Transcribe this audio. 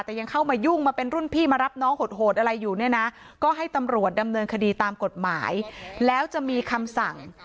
แต่ยังเข้ามายุ่งมาเป็นรุ่นพี่มารับน้องโหดอะไรอยู่เนี่ยนะก็ให้ตำรวจดำเนินคดีตามกฎหมายแล้วจะมีคำสั่ง